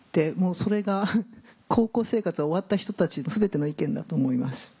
それが高校生活が終わった人たちの全ての意見だと思います。